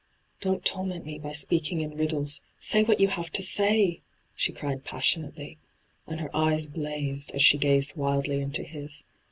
' Don't torment me by speaking in riddles ; say what you have to say 1' she cried passion ately, and her eyes blazed as she gazed wildly into his.